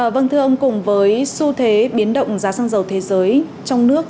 vâng thưa ông cùng với xu thế biến động giá xăng dầu thế giới trong nước